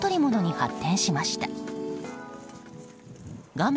画面